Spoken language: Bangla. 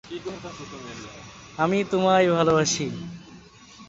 বাংলাদেশের খ্যাতিমান চলচ্চিত্র নির্মাতা তারেক মাসুদের স্ত্রী তিনি।